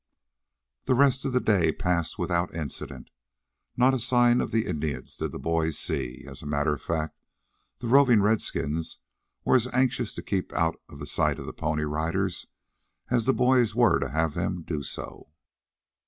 The rest of the day passed without incident. Not a sign of the Indians did the boys see. As a matter of fact, the roving redskins were as anxious to keep out of the sight of the Pony Riders as the boys were to have them do so.